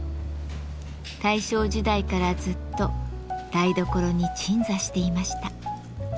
大正時代からずっと台所に鎮座していました。